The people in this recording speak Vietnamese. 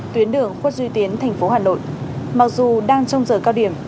tuyến đường khuất duy tiến thành phố hà nội mặc dù đang trong giờ cao điểm